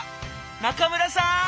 「中村さん